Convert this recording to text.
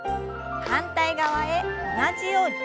反対側へ同じように。